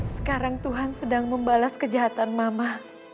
sekarang tuhan sedang membalas kejahatan mama